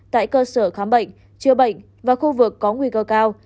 tại cơ sở khám bệnh chữa bệnh và khu vực có nguy cơ cao